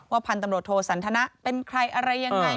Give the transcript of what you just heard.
พันธุ์ตำรวจโทสันทนะเป็นใครอะไรยังไง